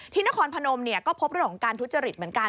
นครพนมก็พบเรื่องของการทุจริตเหมือนกัน